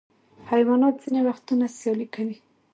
حیوانات ځینې وختونه سیالۍ کوي.